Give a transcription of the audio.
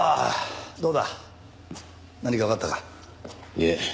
いえ。